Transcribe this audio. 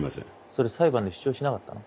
それ裁判で主張しなかったの？